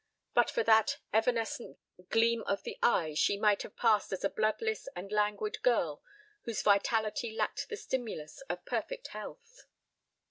But for that evanescent gleam of the eyes she might have passed as a bloodless and languid girl whose vitality lacked the stimulus of perfect health.